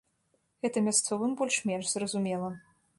Гэта мясцовым больш-менш зразумела.